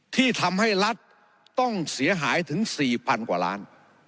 ที่ทำให้รัฐต้องเสียหายถึง๔๐๐๐กว่าล้าน